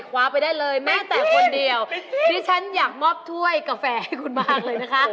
กาแฟให้คุณมากเลยนะคะ